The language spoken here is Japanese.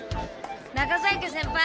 中在家先輩